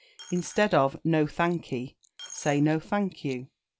Instead of "No thankee," say "No thank you."